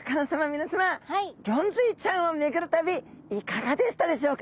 皆さまギョンズイちゃんを巡る旅いかがでしたでしょうか？